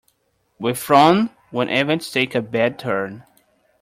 We frown when events take a bad turn.